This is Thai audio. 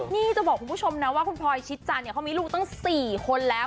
นี่จะบอกคุณผู้ชมนะว่าคุณพลอยชิดจันเนี่ยเขามีลูกตั้ง๔คนแล้ว